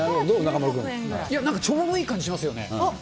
なんかちょうどいい感じしますよね。